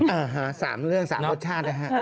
อ่าฮะสามเรื่องสามรสชาตินะฮะ